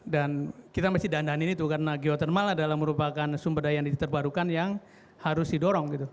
dan kita mesti dandani itu karena geothermal adalah merupakan sumber daya yang diterbarukan yang harus didorong gitu